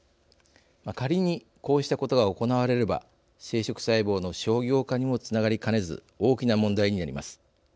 仮にこうしたことが行われれば生殖細胞の商業化にもつながりかねず大きな問題になります。